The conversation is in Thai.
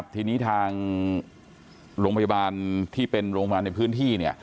ทีนี้ทางโรงพยาบาลที่เป็นโรงพยาบาลในพื้นที่